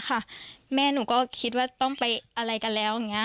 ไปไม่รู้เห็นปอกกาลอะไรเนี่ยค่ะ